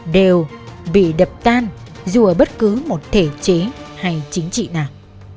đều bị đập tan dù ở bất cứ một thể chế hay chính trị nào